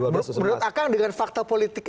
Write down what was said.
menurut kang dengan fakta politik